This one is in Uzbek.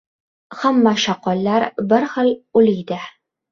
Hamma shoqollar bir xil uliydi.